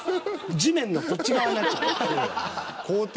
地面のこっち側になっちゃう。